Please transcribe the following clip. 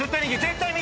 絶対右！